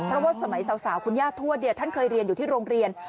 เพราะว่าสมัยสาวคุณย่าทวดท่านเคยเรียนอยู่ที่โรงเรียน